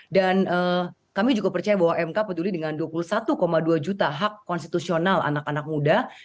dan kami juga percaya bahwa mk peduli dengan dua puluh satu dua juta hak konstitusional anak anak muda